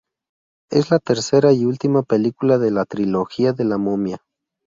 Es la tercera y última película de la Trilogía De La Momia.